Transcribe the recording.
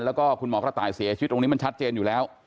แล้วก็คุณหมอกระต่ายเสียชีวิตตรงนี้มันชัดเจนอยู่แล้ว